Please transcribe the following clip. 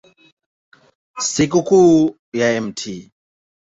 Sikukuu ya Mt.